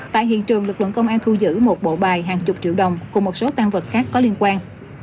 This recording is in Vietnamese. tại hiện trường lực lượng công an thu giữ một bộ bài hàng chục triệu đồng cùng một số tan vật khác có liên quan